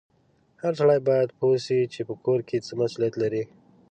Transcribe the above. هر سړی باید پوه سي چې په کور کې څه مسولیت لري